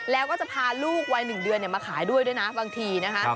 แล้วก็จะพาลูกวัย๑เดือนมาขายด้วยด้วยนะบางทีนะคะ